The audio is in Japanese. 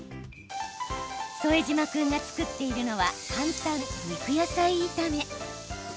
副島君が作っているのは簡単、肉野菜炒め。